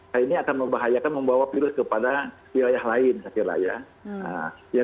nah ini akan membahayakan membawa virus kepada wilayah lain saya kira ya